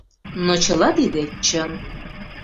Но чыла тиде — чын.